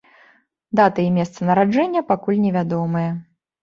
Дата і месца нараджэння пакуль невядомыя.